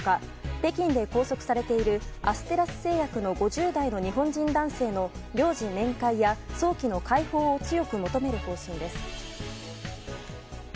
北京で拘束されているアステラス製薬の５０代の日本人男性の領事面会や早期の解放を強く求める方針です。